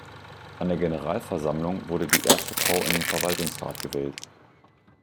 An der Generalversammlung wurde die erste Frau in den Verwaltungsrat gewählt.